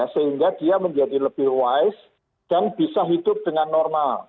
sehingga dia menjadi lebih wise dan bisa hidup dengan normal